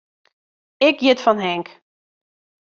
Ik hjit fan Henk.